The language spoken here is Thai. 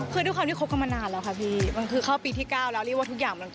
คือด้วยความที่คบกันมานานแล้วค่ะพี่มันคือเข้าปีที่๙แล้วเรียกว่าทุกอย่างมันก็